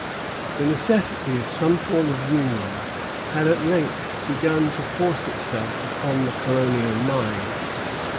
The necessity of some form of union had at length begun to force itself upon the colonial mind.